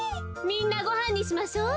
みんなごはんにしましょう。